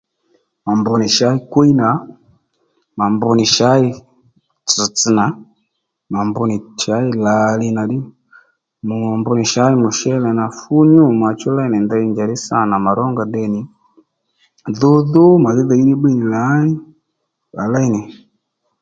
Mà mbr nì shay kwíy nà mà mbr nì shây tsts nà ma mbr nì shây lǎliy nà ddí ma mbr nì shây mùshélè nà fú nyû mà chú léy nì njàddí sâ nà mà rónga tde nì dhúdhú màddí dhǐy ddí bbíy nì lǎní à léy nì